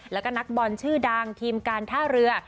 แล้วก็นักบอลชื่อดังทีมการท่าเรือ